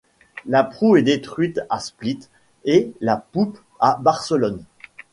La proue est détruite à Split et la poupe à Barcelone.